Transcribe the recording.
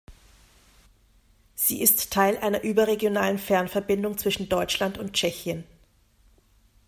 Sie ist Teil einer überregionalen Fernverbindung zwischen Deutschland und Tschechien.